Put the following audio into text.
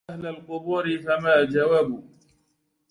أيا أهل القبور فما جواب